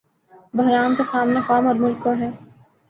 بحران کا سامنا قوم اورملک کو ہے۔